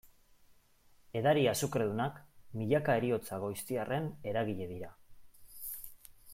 Edari azukredunak, milaka heriotza goiztiarren eragile dira.